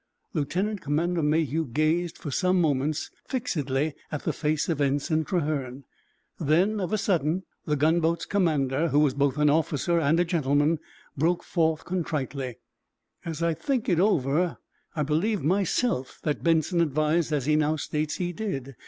Lieutenant Commander Mayhew gazed for some moments fixedly at the face of Ensign Trahern. Then, of a sudden, the gunboat's commander, who was both an officer and a gentleman, broke forth, contritely: "As I think it over, I believe, myself, that Benson advised as he now states he did.